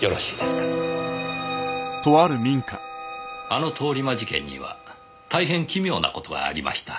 あの通り魔事件には大変奇妙な事がありました。